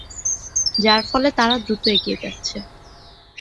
যার ফলে তারা দ্রুত এগিয়ে যাচ্ছে।